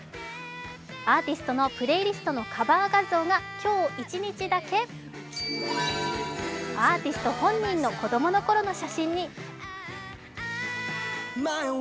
アーティストのプレイリストのカバー画像が今日一日だけアーティスト本人の子供のころの写真に。